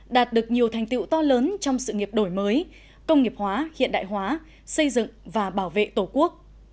đạt được nhiều thành tiệu to lớn trong sự nghiệp đổi mới công nghiệp hóa hiện đại hóa xây dựng và bảo vệ tổ quốc